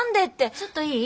ちょっといい？